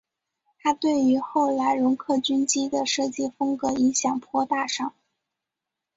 它对于后来容克军机的设计风格影响颇大上。